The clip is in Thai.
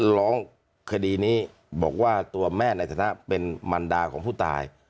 ร้องคดีนี้บอกว่าตัวแม่ละนะเป็นมาฤนภัณฑ์ของผู้ตาย